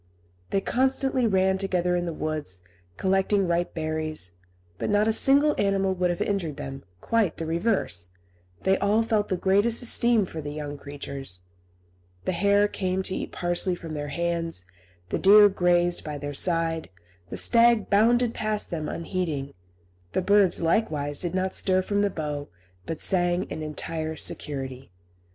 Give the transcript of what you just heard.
They constantly ran together in the woods, collecting ripe berries; but not a single animal would have injured them; quite the reverse, they all felt the greatest esteem for the young creatures. The hare came to eat parsley from their hands, the deer grazed by their side, the stag bounded past them unheeding; the birds, likewise, did not stir from the bough, but sang in entire security.